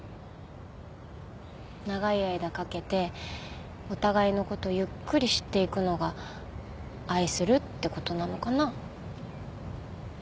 長い間かけてお互いの事ゆっくり知っていくのが愛するって事なのかな。